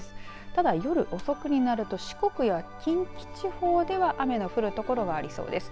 ただ夜遅くになると四国や近畿地方では雨の降る所がありそうです。